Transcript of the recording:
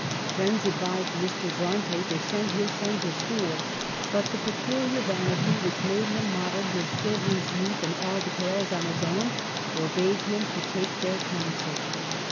Friends advised Mr. Bronte to send his son to school, but the peculiar vanity which made him model his children's youth in all details on his own forbade him to take their counsel.